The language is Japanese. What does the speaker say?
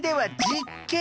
実験。